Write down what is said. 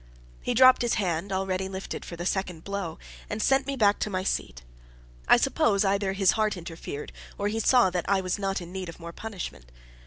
He dropped his hand, already lifted for the second blow, and sent me back to my seat. I suppose either his heart interfered, or he saw that I was not in need of more punishment.